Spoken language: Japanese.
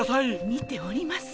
見ております。